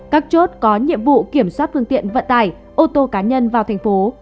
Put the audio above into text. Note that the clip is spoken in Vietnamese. các chốt có nhiệm vụ kiểm soát phương tiện vận tải ô tô cá nhân vào thành phố